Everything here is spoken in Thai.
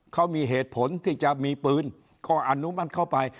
เขามีเหตุผลที่จะมีปืนก็อนุมัติเข้าไป